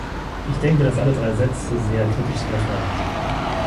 Ich denke, dass alle drei Sätze sehr kritisch zu hinterfragen sind.